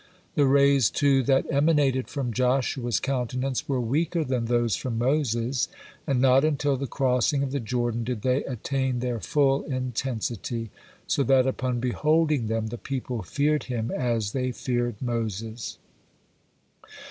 The rays, too, that emanated from Joshua's countenance were weaker than those from Moses', and not until the crossing of the Jordan did they attain their full intensity, so that upon beholding them, "the people feared him as they feared Moses."